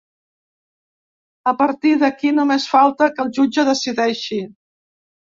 A partir d’aquí només falta que el jutge decideixi.